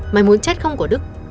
mày muốn chết không của đức